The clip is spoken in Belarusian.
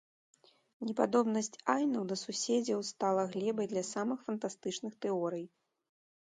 Непадобнасць айнаў да суседзяў стала глебай для самых фантастычных тэорый.